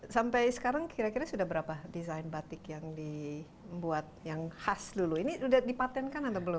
sampai sekarang kira kira sudah berapa desain batik yang dibuat yang khas dulu ini sudah dipatenkan atau belum